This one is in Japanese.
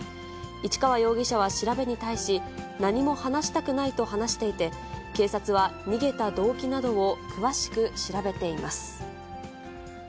市川容疑者は調べに対し、何も話したくないと話していて、警察は逃げた動機などを詳しく調べています。